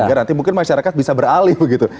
biar nanti mungkin masyarakat bisa beralih begitu